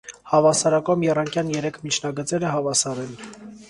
Հավասարակողմ եռանկյան երեք միջնագծերը հավասար են։